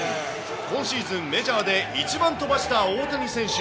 今シーズンメジャーで一番飛ばした大谷選手。